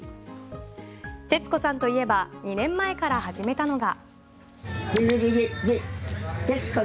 徹子さんといえば２年前から始めたのが。